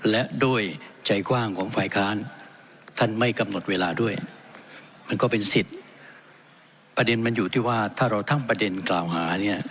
และด้วยใจกว้างของฝ่ายค้านท่านไม่กำหนดเวลาด้วยมันก็เป็นสิทธิ์ประเด็นมันอยู่ที่ว่าถ้าเราตั้งประเด็นกล่าวหาเนี่ย